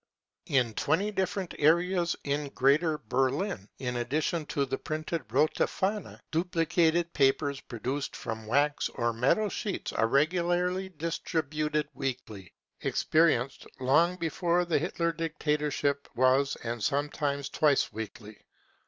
In twenty different areas in Greater Berlin, in addition to the printed Rote Fahne , duplicated papers produced from wax or metal sheets are regularly distributed weekly, 33^ BROWN BOOK OF THE HITLER TERROR experienced, long before the Hitler dictatorship was and sometimes twice weekly.